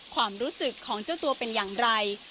ความรู้สึกของเจ้าตัวเป็นอย่างไร